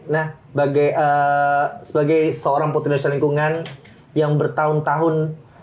nah sebagai seorang putri indonesia lingkungan yang bertahun tahun